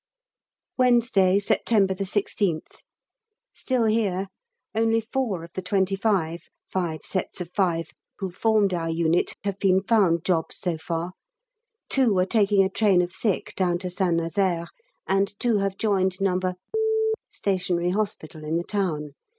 Wednesday, September 16th. Still here: only four of the twenty five (five sets of five) who formed our unit have been found jobs so far: two are taking a train of sick down to St Nazaire, and two have joined No. Stationary Hospital in the town.